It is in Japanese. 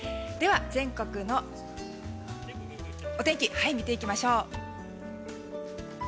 では、全国のお天気見ていきましょう。